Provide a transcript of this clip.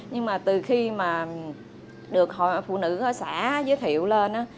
nhưng mà từ khi mà được hội phụ nữ ở xã giới thiệu lên